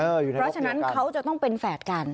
เพราะฉะนั้นเขาจะต้องเป็นแฝดกัน